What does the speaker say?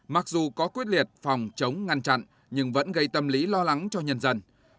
mặc dù có quyết liệt phòng chống ngăn chặn nhưng vẫn gây tâm lý lo lắng cho nhân dân